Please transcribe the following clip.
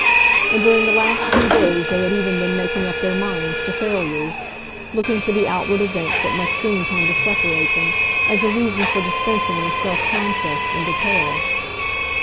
And during the last few days they had even been making up their minds to failures, looking to the outward events that must soon come to separate them, as a reason for dispensing with self conquest in detail.